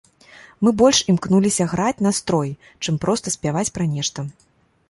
Мы больш імкнуліся граць настрой, чым проста спяваць пра нешта.